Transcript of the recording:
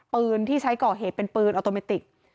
ปืนที่ใช้ก่อเหตุเป็นปืนออโตเมติก